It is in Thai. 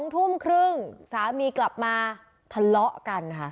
๒ทุ่มครึ่งสามีกลับมาทะเลาะกันค่ะ